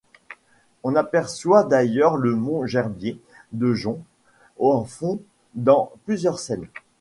On aperçoit d'ailleurs le mont Gerbier de Jonc en fond dans plusieurs scènes.